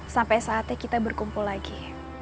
sampai saatnya kita berkumpul lagi